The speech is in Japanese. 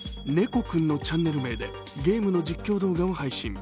こくん！のチャンネル名でゲームの実況動画を配信。